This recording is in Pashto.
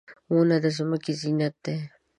• ونه د ځمکې زینت دی.